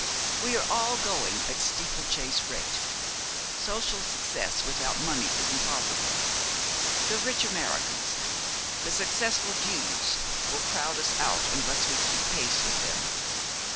We are all going at steeplechase rate. Social success without money is impossible. The rich Americans, the successful Jews, will crowd us out unless we keep pace with them.